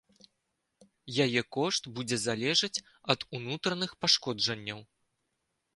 Яе кошт будзе залежаць ад унутраных пашкоджанняў.